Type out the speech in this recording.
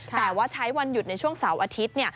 แต่ว่าใช้วันหยุดในช่วงเสาร์อาทิตย์